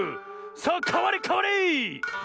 さあかわれかわれ！